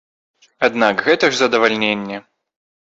Аднак гэта ж задавальненне!